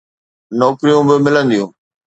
نوڪريون به ملنديون.